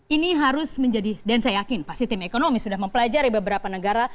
ini harus menjadi dan saya yakin pasti tim ekonomi sudah mempelajari beberapa negara